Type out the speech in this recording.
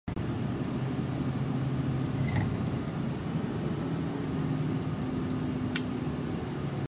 半月状のビルも、かつてのランドマークタワーも、ピンク色にライトアップされた観覧車も